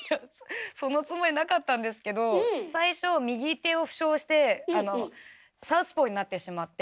そのつもりなかったんですけど最初右手を負傷してサウスポーになってしまって。